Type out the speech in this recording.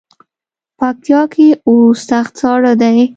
پکتیا کې اوس سخت ساړه دی.